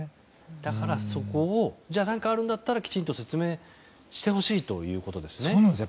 だから、そこを何かあるんだったらきちんと説明してほしいということですね。